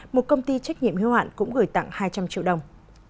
một công ty trách nhiệm hiếu hoạn cũng gửi tặng hai trăm linh triệu đồng